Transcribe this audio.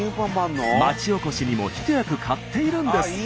町おこしにも一役買っているんです。